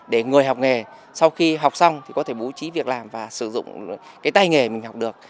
để người học nghề sau khi học xong có thể bú trí việc làm và sử dụng tay nghề mình học được